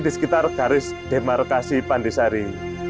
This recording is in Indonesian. di sekitar garis demarkasi pandisari